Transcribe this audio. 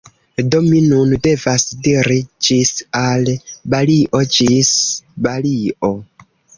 Do mi nun devas diri ĝis al Balio - Ĝis Balio!